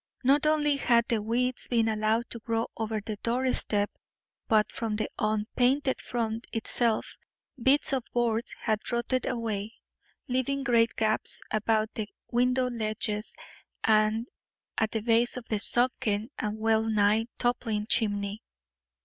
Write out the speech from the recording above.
Not only had the weeds been allowed to grow over the doorstep, but from the unpainted front itself bits of boards had rotted away, leaving great gaps about the window ledges and at the base of the sunken and well nigh toppling chimney.